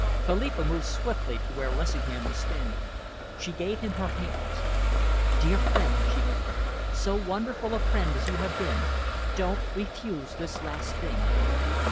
Philippa moved swiftly to where Lessingham was standing. She gave him her hands. "Dear friend," she begged, "so wonderful a friend as you have been, don't refuse this last thing."